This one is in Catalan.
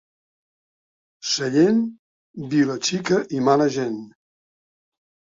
Sallent, vila xica i mala gent.